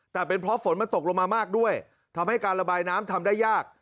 แต่เป็นเพราะฝนมันตกลงมามากด้วยทำให้การระบายน้ำทำได้ยาก